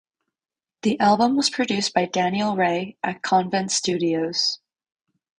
The album was produced by Daniel Rey at Convent Studios.